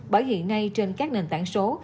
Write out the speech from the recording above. bởi hiện nay trên các nền tảng số